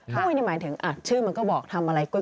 กล้วยนี่หมายถึงชื่อที่บอกกล้วยกล้วย